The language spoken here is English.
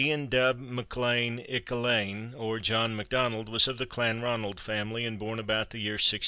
Iain Dubh Maclain 'Ic Ailein, or John MacDonald, was of the Clanranald family, and born about the year 1665.